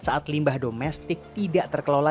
saat limbah domestik tidak terkelola